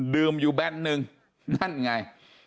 ดื่มอยู่แบนหนึ่งนั่นไง